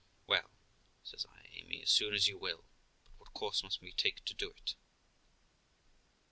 'Well', says I, 'Amy, as soon as you will; but what course must we take to do it?